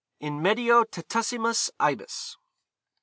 _In medio tutissimus ibis.